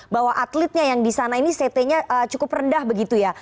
bahwa atletnya yang di sana ini ct nya cukup rendah begitu ya